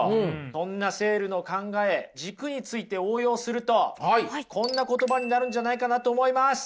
そんなセールの考え軸について応用するとこんな言葉になるんじゃないかなと思います。